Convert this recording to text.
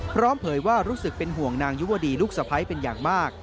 เผยว่ารู้สึกเป็นห่วงนางยุวดีลูกสะพ้ายเป็นอย่างมาก